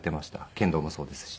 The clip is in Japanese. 剣道もそうですし。